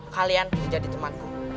kalian jadi temanku